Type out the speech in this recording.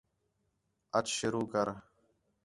اَچ شروع کر